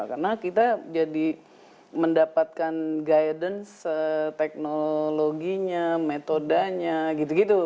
karena kita jadi mendapatkan guidance teknologinya metodanya gitu gitu